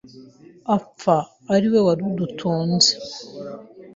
apfa ari we wari udutunze